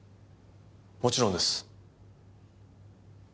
もちろんです。